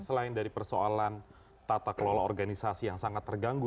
selain dari persoalan tata kelola organisasi yang sangat terganggu